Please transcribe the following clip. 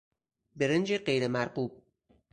برنج غیرمرغوب